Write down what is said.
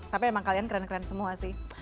tapi emang kalian keren keren semua sih